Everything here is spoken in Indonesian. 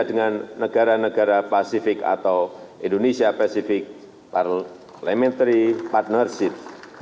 dengan negara negara pasifik atau indonesia pacific parliamentary partnership